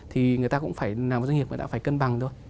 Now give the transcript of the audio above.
thì người ta cũng phải làm một doanh nghiệp người ta phải cân bằng thôi